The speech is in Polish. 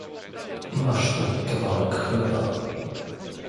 "Masz tu kawałek chleba."